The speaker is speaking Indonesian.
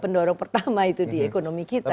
pendorong pertama itu di ekonomi kita